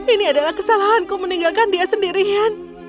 ini adalah kesalahanku meninggalkan dia sendirian